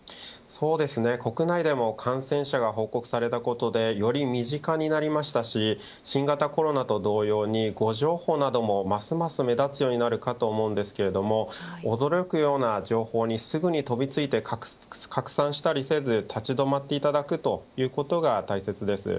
そうですね、国内でも感染者が報告されたことでより身近になりましたし新型コロナと同様に誤情報などもますます目立つようになるかと思うんですけど驚くような情報にすぐに飛びついたり拡散したりせず立ちどまっていただくということが大切です。